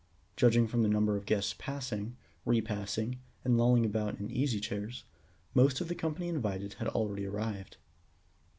Judging from the number of guests passing, repassing, and lolling about in the easy chairs, most of the company invited had already arrived.